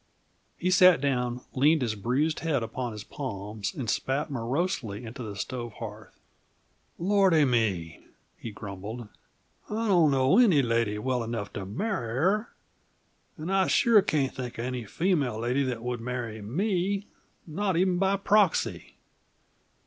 He sat down, leaned his bruised head upon his palms, and spat morosely into the stove hearth. "Lordy me," he grumbled. "I don't know any lady well enough to marry her and I sure can't think of any female lady that would marry me not even by proxy!"